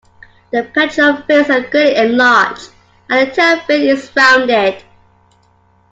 The pectoral fins are greatly enlarged, and the tail fin is rounded.